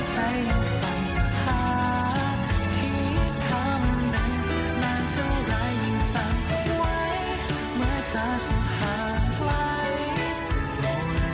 หมดจากหลักหายไปไม่กลับขึ้นมา